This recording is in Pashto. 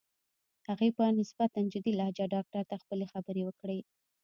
هغې په نسبتاً جدي لهجه ډاکټر ته خپلې خبرې وکړې.